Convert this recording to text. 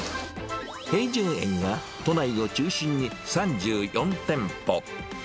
平城苑は、都内を中心に３４店舗。